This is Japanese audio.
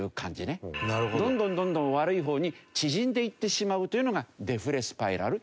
どんどんどんどん悪い方に縮んでいってしまうというのがデフレスパイラル。